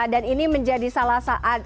dan ini menjadi salah saat